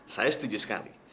saya setuju sekali